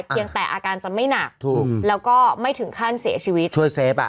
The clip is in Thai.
ยังแต่อาการจะไม่หนักถูกแล้วก็ไม่ถึงขั้นเสียชีวิตช่วยเซฟอ่ะ